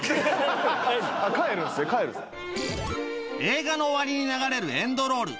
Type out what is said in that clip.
映画の終わりに流れるエンドロール